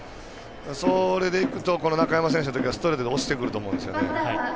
それでいくと、中山選手のときはストレートで押してくると思うんですよね。